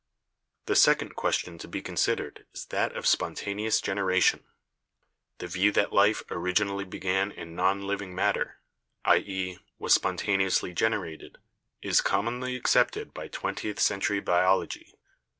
The second question to be considered is that of spon taneous generation. The view that life originally began in non living matter — i.e., was spontaneously generated, is commonly accepted by twentieth century biology.